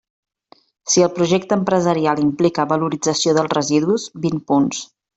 Si el projecte empresarial implica valorització dels residus, vint punts.